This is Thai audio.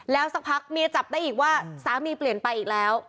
แล้วสักพักเมียจับได้อีกว่าสามีเปลี่ยนไปอีกแล้ว